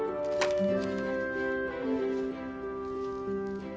うん。